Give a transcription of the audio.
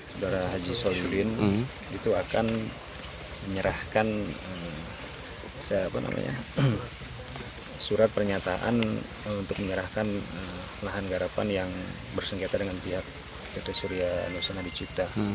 saudara haji soludin itu akan menyerahkan surat pernyataan untuk menyerahkan lahan garapan yang bersengketa dengan pihak pt surya nusan adik cipta